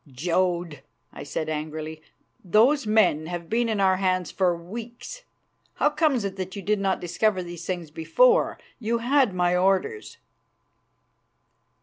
"Jodd," I said angrily, "those men have been in our hands for weeks. How comes it that you did not discover these things before? You had my orders."